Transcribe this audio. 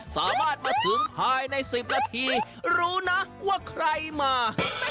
สามารถมาถึงภายใน๑๐นาทีรู้นะว่าใครมา